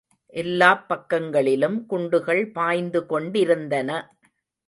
எல்லாப் பக்கங்களிலும் குண்டுகள் பாய்ந்து கொண்டிருந்தன.